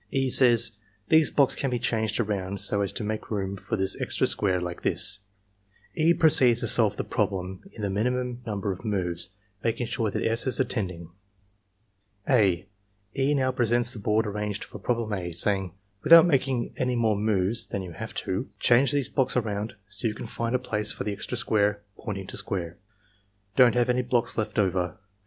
E. says: ^^ These blocks can be changed around so as to make room for this extra square f like thisJ^ E. proceeds to solve the problem in the miniflaum number pf jnoves; making sure that S, is attending. 108 ARMY MENTAL TESTS (a) E. now presents the board arranged for problem A, saying: "Without making any more moves than you have to, change these blocks around so you can find a place for the extra square (pointing to square). Don't Aoue any blocks left over.